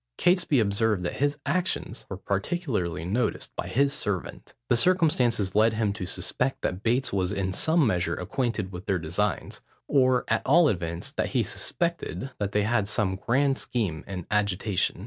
Catesby observed that his actions were particularly noticed by his servant. The circumstance led him to suspect, that Bates was in some measure acquainted with their designs, or at all events, that he suspected that they had some grand scheme in agitation.